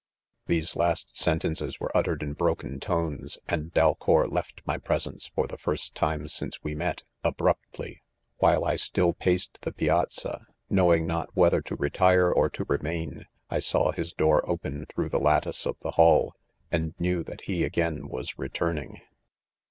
These last sentences were uttered in bro ken tones, and Dale our left my presence for the first time since we met. abruptly . While • ^08 .!; :..,H>pwpN. ,,,,; I still paced the piazza, knowing not whether to retire. or to remain, I saw his door opsin through the lattice of the hall,: and knew thafc .he again was returning.